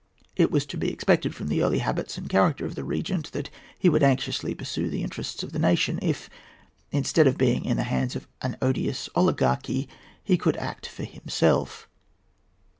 It was to be expected, from the early habits and character of the Regent, that he would anxiously pursue the interests of the nation, if, instead of being in the hands of an odious oligarchy, he could act for himself.